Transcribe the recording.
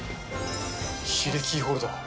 ヒレキーホルダー。